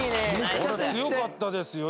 強かったですよ